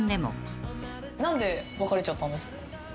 何で別れちゃったんですか？